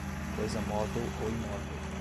coisa móvel ou imóvel